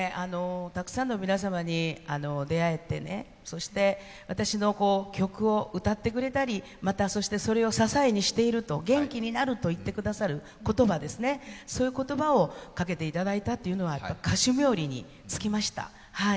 たくさんの皆様に出会えて、そして私の曲を歌ってくれたり、また、それを支えにしていると、元気になると言ってくださる、そういう言葉をかけていただいたというのは歌手冥利につきました。